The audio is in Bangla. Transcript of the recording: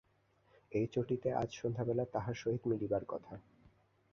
এই চটিতে আজ সন্ধ্যাবেলা তাঁহার সহিত মিলিবার কথা।